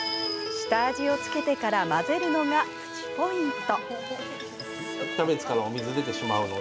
下味を付けてから混ぜるのがプチポイント。